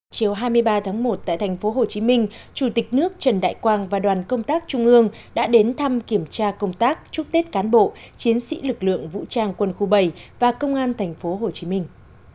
chiều hai mươi ba tháng một tại thành phố hồ chí minh chủ tịch nước trần đại quang và đoàn công tác trung ương đã đến thăm kiểm tra công tác chúc tết cán bộ chiến sĩ lực lượng vũ trang quân khu bảy và công an thành phố hồ chí minh